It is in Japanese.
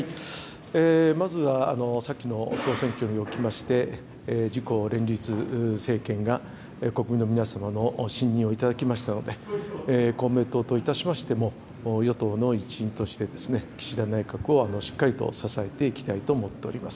まずは、先の総選挙におきまして、自公連立政権が国民の皆様の信任を頂きましたので、公明党といたしましても、与党の一員としてですね、岸田内閣をしっかりと支えていきたいと思っております。